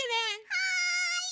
はい！